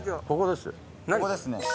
ここですね。